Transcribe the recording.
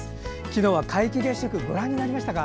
昨日は皆既月食ご覧になりましたか？